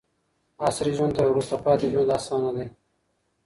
عصري ژوند تر وروسته پاتې ژوند اسانه دی.